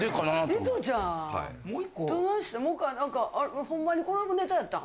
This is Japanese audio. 井戸ちゃんどないしたん？